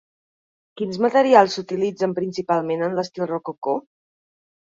Quins materials s'utilitzen principalment en l'estil rococó?